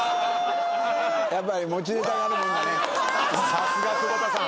さすが久保田さん。